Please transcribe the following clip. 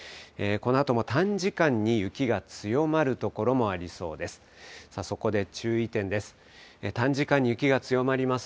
このあとも短時間に雪が強まる所もありそうです。